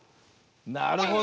なるほど。